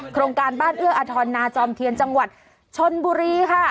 โครงการบ้านเอื้ออทรนาจอมเทียนจังหวัดชนบุรีค่ะ